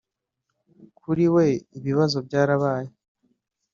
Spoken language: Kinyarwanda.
Kuri we ibibazo byarabaye